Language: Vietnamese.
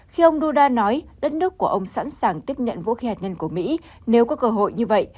khi ông duda nói đất nước của ông sẵn sàng tiếp nhận vũ khí hạt nhân của mỹ nếu có cơ hội như vậy